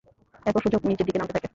এরপর সূচক নিচের দিকে নামতে থাকে।